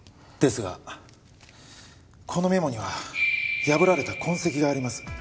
ですがこのメモには破られた痕跡があります。